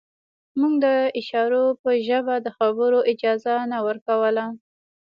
موږ د اشارو په ژبه د خبرو اجازه نه ورکوله